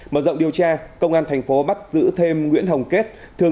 mở rộng điều tra công an thành phố bắt giữ thêm nguyễn hồng kết